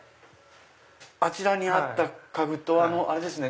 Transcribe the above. あちらにあった家具とあれですね